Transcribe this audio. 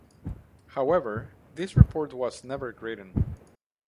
However, this report was never written.